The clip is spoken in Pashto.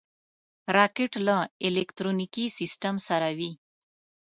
راکټ له الکترونیکي سیسټم سره وي